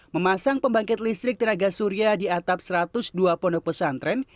memasang pembangkit listrik tenaga surya di atap satu ratus dua pondok pesantren